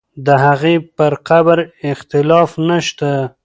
د هغې پر قبر اختلاف نه شته.